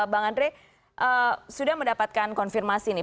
bang andre sudah mendapatkan konfirmasi nih